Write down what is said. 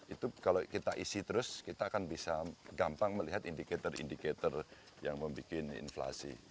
itu kalau kita isi terus kita akan bisa gampang melihat indikator indikator yang membuat inflasi